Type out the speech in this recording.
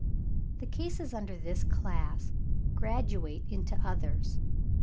The cases under this class graduate into others.